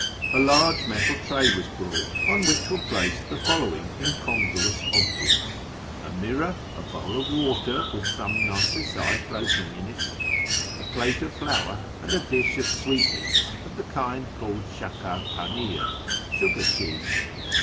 A large metal tray was brought, on which were placed the following incongruous objects: — A mirror, a bowl of water with some narcissi floating in it, a plate of flour, and a dish of sweatmeats, of the kind called sliakar panir (" sugar cheese